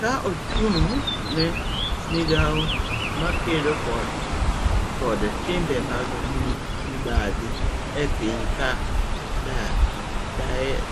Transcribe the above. ka achung' ne migawo makedo kod timbe mag mibadhi e piny ka, daher